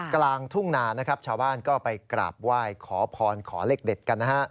กลางทุ่งนานะครับชาวบ้านก็ไปกราบไหว้ขอพรขอเลขเด็ดกันนะฮะ